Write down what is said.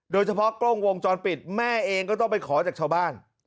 โดยเฉพาะกล้องวงจรปิดแม่เองก็ต้องไปขอจากชาวบ้าน